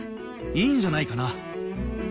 いいんじゃないかな。